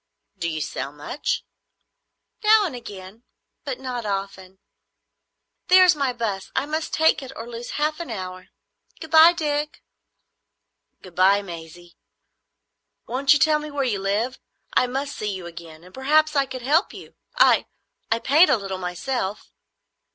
"Do you sell much?" "Now and again, but not often. There is my "bus. I must take it or lose half an hour. Good bye, Dick." "Good bye, Maisie. Won't you tell me where you live? I must see you again; and perhaps I could help you. I—I paint a little myself."